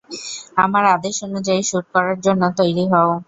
আমার আদেশ অনুযায়ী, শ্যুট করার জন্য তৈরি হও।